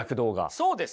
そうです。